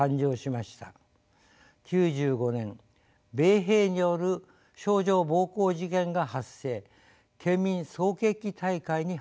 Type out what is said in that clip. ９５年米兵による少女暴行事件が発生県民総決起大会に発展しました。